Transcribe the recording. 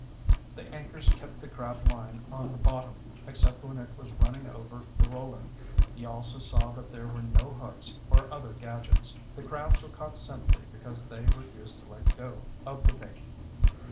The anchors kept the crab line on the bottom, except when it was running over the roller. He also saw that there were no hooks or other gadgets. The crabs were caught simply because they refused to let go of the bait.